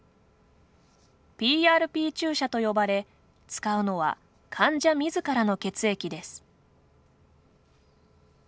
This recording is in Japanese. ＰＲＰ注射と呼ばれ、使うのは患者みずからの血液です。